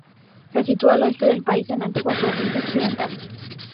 Se sitúa al oeste del país, en la antigua provincia Occidental.